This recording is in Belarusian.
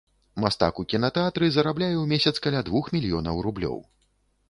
Мастак у кінатэатры зарабляе ў месяц каля двух мільёнаў рублёў.